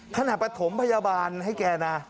ขนาดปฐมพยาบาลให้แกนะ